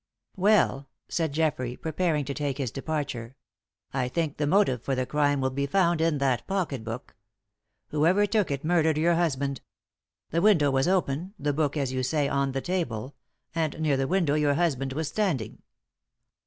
"Well, said Geoffrey, preparing to take his departure. I think the motive for the crime will be found in that pocket book. Whoever took it murdered your husband. The window was open, the book, as you say, on the table, and near the window your husband was standing.